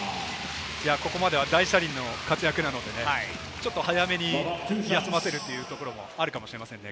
ここまでは大車輪の活躍なので、ちょっと早めに休ませるというところもあるかもしれませんね。